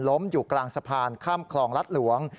อยู่กลางสะพานข้ามคลองรัฐหลวง